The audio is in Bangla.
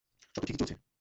সব তো ঠিকই চলছে।